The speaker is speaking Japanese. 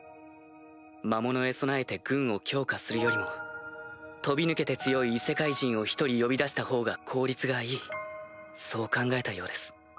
魔物へ備えて軍を強化するよりも飛び抜けて強い異世界人を１人呼び出したほうが効率がいいそう考えたようです。